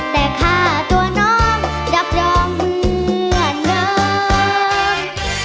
แต่ค่าตัวน้องรับรองเหมือนเดิม